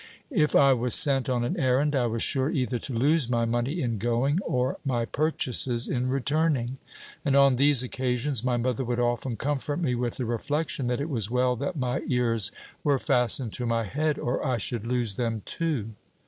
If I was sent on an errand, I was sure either to lose my money in going, or my purchases in returning; and on these occasions my mother would often comfort me with the reflection, that it was well that my ears were fastened to my head, or I should lose them too.